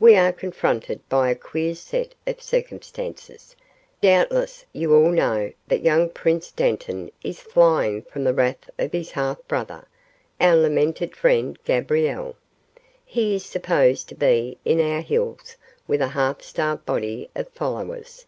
"We are confronted by a queer set of circumstances. Doubtless you all know that young Prince Dantan is flying from the wrath of his half brother, our lamented friend Gabriel. He is supposed to be in our hills with a half starved body of followers.